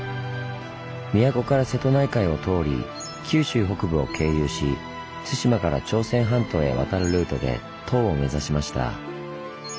都から瀬戸内海を通り九州北部を経由し対馬から朝鮮半島へ渡るルートで唐を目指しました。